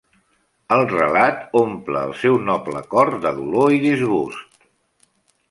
El relat omple el seu noble cor de dolor i disgust.